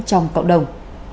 trong cộng đồng